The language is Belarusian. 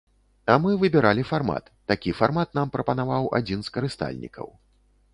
А мы выбіралі фармат, такі фармат нам прапанаваў адзін з карыстальнікаў.